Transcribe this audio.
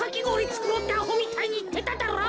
つくろうってアホみたいにいってただろ。